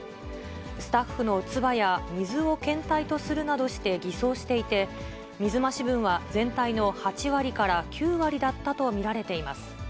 スタッフの唾や水を検体とするなどして偽装していて、水増し分は全体の８割から９割だったと見られています。